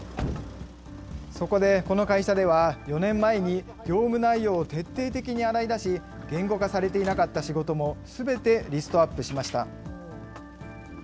そこでこの会社では、４年前に業務内容を徹底的に洗い出し、言語化されていなかった仕事もすべてリストアップしました。